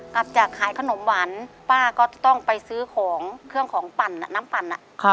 กลับจากขายขนมหวานป้าก็ต้องไปซื้อของเครื่องของปั่นน้ำปั่น